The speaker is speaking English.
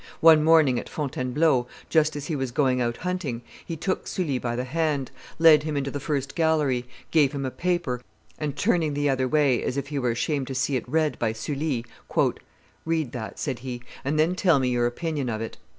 One morning, at Fontainebleau, just as he was going out hunting, he took Sully by the hand, led him into the first gallery, gave him a paper, and, turning the other way as if he were ashamed to see it read by Sully, "Read that," said he, "and then tell me your opinion of it."